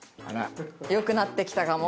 よくなってきたかも？